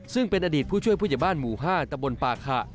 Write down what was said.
ซึ่งเป็นอดีตผู้ช่วยผู้เจ็บบ้านหมู่๕ตำรวจปากหะ